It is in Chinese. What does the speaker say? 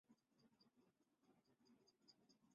伊四零型潜艇是大日本帝国海军的潜舰型号。